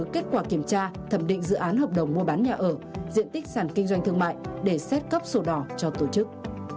kết quả kiểm tra thẩm định dự án hợp đồng mua bán nhà ở diện tích sản kinh doanh thương mại để xét cấp sổ đỏ cho tổ chức